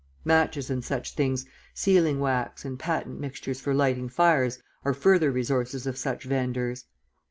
Matches and such things, sealing wax, and patent mixtures for lighting fires are further resources of such venders.